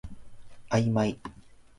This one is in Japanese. あいまい